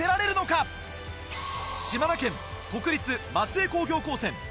島根県国立松江工業高専。